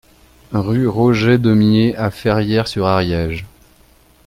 Rue Roger Deumié à Ferrières-sur-Ariège